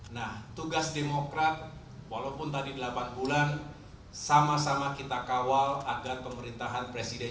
nah tugas demokrat walaupun tadi delapan bulan sama sama kita kawal agar pemerintahan presiden